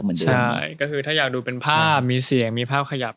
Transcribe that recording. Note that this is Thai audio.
มีภาพมีเสียงมีภาพขยับ